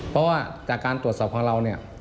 เพราะว่าการตรวจสอบของเรา